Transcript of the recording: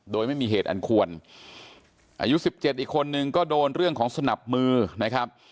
โดยไม่มีเหตุอันควรอายุ๑๗อีกคนนึงก็โดนเรื่องของสนับมือนะครับ